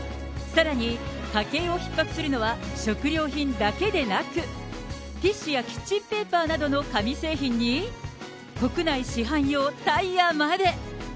さらに家計をひっ迫するのは食料品だけでなく、ティッシュやキッチンペーパーなどの紙製品に、国内市販用タイヤまで。